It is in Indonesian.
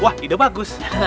wah ide bagus